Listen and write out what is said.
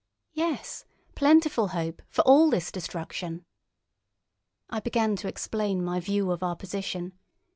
"Yes. Plentiful hope—for all this destruction!" I began to explain my view of our position.